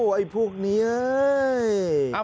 โหไอ้พวกนี้เฮ้ย